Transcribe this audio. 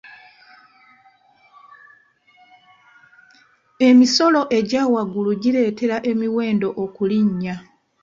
Emisolo egya waggulu gireetera emiwendo okulinnya.